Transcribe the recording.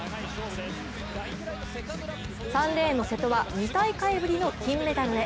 ３レーンの瀬戸は２大会ぶりの金メダルへ。